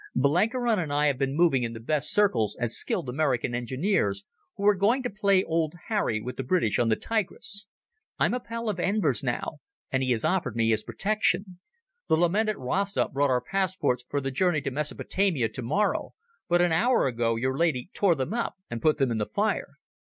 Blenkiron and I have been moving in the best circles as skilled American engineers who are going to play Old Harry with the British on the Tigris. I'm a pal of Enver's now, and he has offered me his protection. The lamented Rasta brought our passports for the journey to Mesopotamia tomorrow, but an hour ago your lady tore them up and put them in the fire.